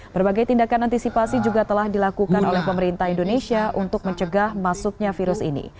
berbagai tindakan antisipasi juga telah dilakukan oleh pemerintah indonesia untuk mencegah masuknya virus ini